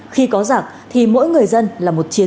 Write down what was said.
khi có giặc thì mỗi người dân là một chiến